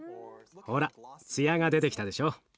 ほら艶が出てきたでしょ。